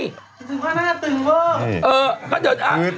คุณพุทธรรมหน้าตื่นเวิร์ด